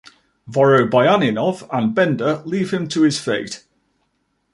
Vorobyaninov and Bender leave him to his fate.